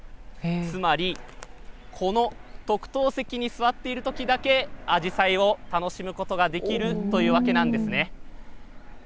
つまりこの特等席に座っているときだけアジサイを楽しむことができるというわけなんです。